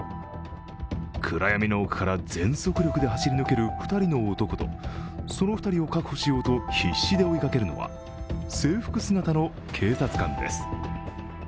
暗闇の奥から全速力で走り抜ける２人の男とその２人を確保しようと必死で追いかけるのは制服姿の警察官です。